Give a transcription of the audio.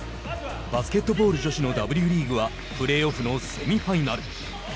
バスケットボール女子のＷリーグはプレーオフのセミファイナル。